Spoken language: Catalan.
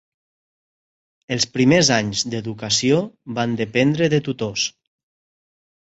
Els primers anys d'educació van dependre de tutors.